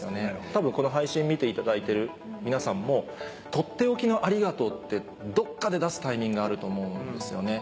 多分この配信見ていただいている皆さんも「とっておきのありがとう」ってどっかで出すタイミングがあると思うんですよね。